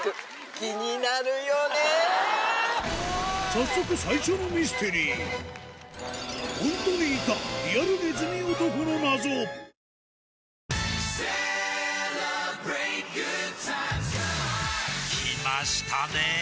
早速最初のミステリーきましたね